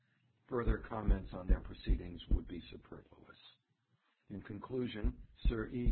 'Further comment on their proceedings would be superfluous. 'In conclusion, Sir E.